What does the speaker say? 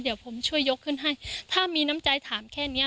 เดี๋ยวผมช่วยยกขึ้นให้ถ้ามีน้ำใจถามแค่เนี้ย